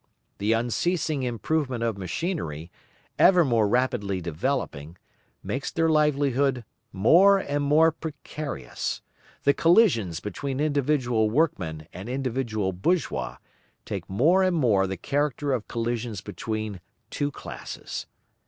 The unceasing improvement of machinery, ever more rapidly developing, makes their livelihood more and more precarious; the collisions between individual workmen and individual bourgeois take more and more the character of collisions between two classes.